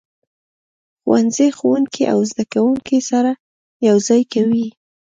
ښوونځی ښوونکي او زده کوونکي سره یو ځای کوي.